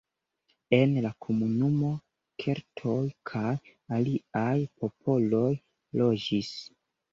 En la komunumo keltoj kaj aliaj popoloj loĝis.